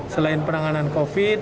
selain penanganan covid